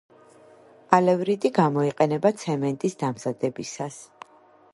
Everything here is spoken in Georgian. ალევრიტი გამოიყენება ცემენტის დამზადებისას.